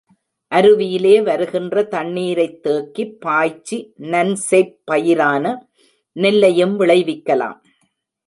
அருவியிலே வருகின்ற தண்ணீரைத் தேக்கிப் பாய்ச்சி நன்செய்ப் பயிரான நெல்லையும் விளைவிக்கலாம்.